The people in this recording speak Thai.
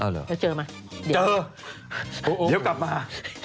แล้วเจอมั้ยเดี๋ยวกลับมา